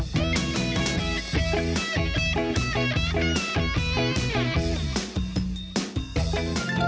โปรดติดตามตอนต่อไป